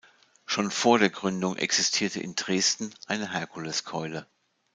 Schon vor der Gründung existierte in Dresden eine "Herkuleskeule".